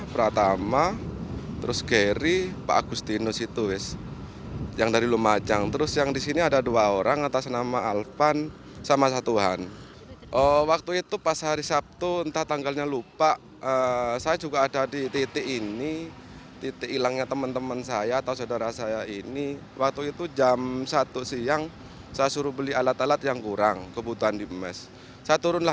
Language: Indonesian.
pembangunan pembangunan semeru